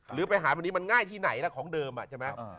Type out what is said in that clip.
หรือไปหาวันนี้มันง่ายที่ไหนล่ะของเดิมใช่ไหม